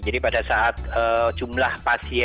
jadi pada saat jumlah pasien